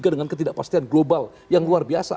dengan ketidakpastian global yang luar biasa